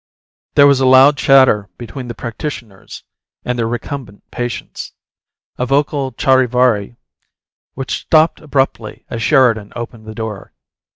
There was a loud chatter between the practitioners and their recumbent patients, a vocal charivari which stopped abruptly as Sheridan opened the door.